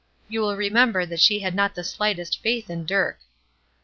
You will remember that she had not the slightest faith in Dirk.